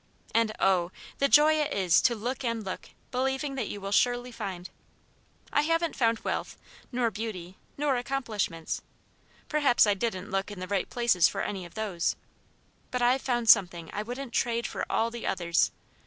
And oh! the joy it is to look and look, believing that you will surely find. I haven't found wealth, nor beauty, nor accomplishments perhaps I didn't look in the right places for any of those but I've found something I wouldn't trade for all the others.